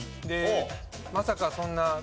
でまさかそんな。